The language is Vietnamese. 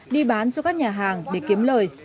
đi bán cho các nhà hàng để kiếm lời